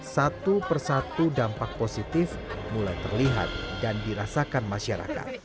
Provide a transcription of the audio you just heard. satu persatu dampak positif mulai terlihat dan dirasakan masyarakat